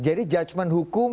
jadi judgement hukum